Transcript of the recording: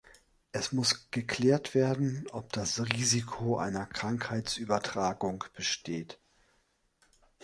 Es muss geklärt werden, ob das Risiko einer Krankheitsübertragung besteht.